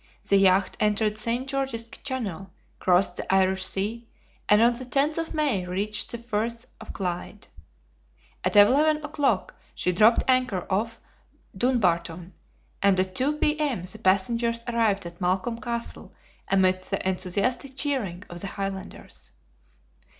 The yacht entered St. George's Channel, crossed the Irish Sea, and on the 10th of May reached the Firth of Clyde. At 11 o'clock she dropped anchor off Dunbarton, and at 2 P.M. the passengers arrived at Malcolm Castle amidst the enthusiastic cheering of the Highlanders.